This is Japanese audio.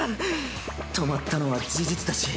泊まったのは事実だし